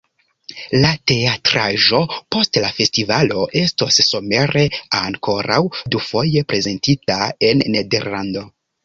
La teatraĵo post la festivalo estos somere ankoraŭ dufoje prezentita en Nederlando.